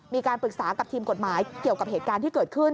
มีการปรึกษากับทีมกฎหมายเกี่ยวกับเหตุการณ์ที่เกิดขึ้น